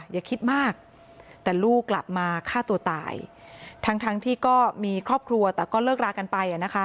อย่าคิดมากแต่ลูกกลับมาฆ่าตัวตายทั้งที่ก็มีครอบครัวแต่ก็เลิกรากันไป